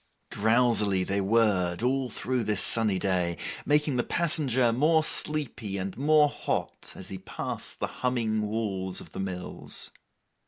Drowsily they whirred all through this sunny day, making the passenger more sleepy and more hot as he passed the humming walls of the mills.